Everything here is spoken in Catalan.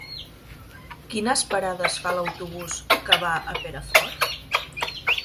Quines parades fa l'autobús que va a Perafort?